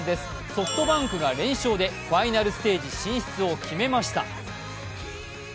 ソフトバンクが連勝でファイナルステージ進出を決めました。